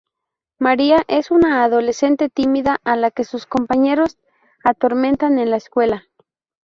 Maria es una adolescente tímida a la que sus compañeros atormentan en la escuela.